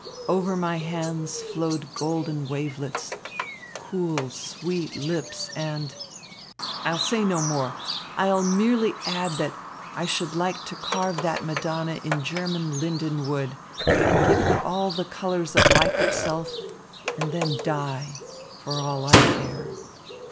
Over my hands Flowed golden wavelets, Cool, sweet lips and I'll say no more. I'll merely add that I should like to carve that Madonna in German linden wood and give her all the colours of life itself, and then die, for all I care."